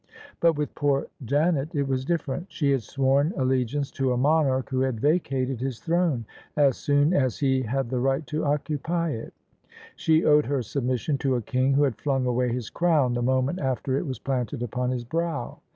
But with poor Janet it was different. She had sworn allegiance to a monarch who had vacated his throne as soon as he had the right to occupy it: she owed her submission to a king who had flung away his crown the moment after it was planted upon his brow.